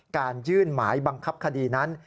การยื่นหมายบังคับคดีนั้น